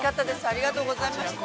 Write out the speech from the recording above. ありがとうございます。